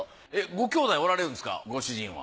ご兄弟おられるんですかご主人は。